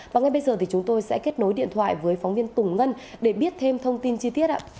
và ngay bây giờ thì chúng tôi sẽ kết nối điện thoại với phóng viên tùng ngân để biết thêm thông tin chi tiết ạ